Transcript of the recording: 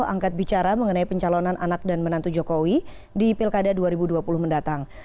angkat bicara mengenai pencalonan anak dan menantu jokowi di pilkada dua ribu dua puluh mendatang